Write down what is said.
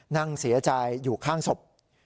นั่งเสียใจอยู่ข้างศพ